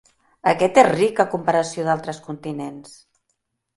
Aquest és ric en comparació a d'altres continents.